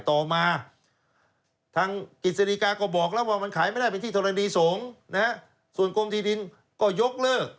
ต่อมาทางกิจสดีกาก็บอกแล้วว่ามันขายไม่ได้เป็นที่ธรณีสงฆ์นะฮะส่วนกรมที่ดินก็ยกเลิก